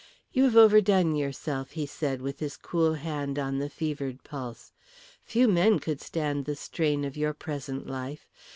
"You have overdone yourself," he said with his cool hand on the fevered pulse. "Few men could stand the strain of your present life.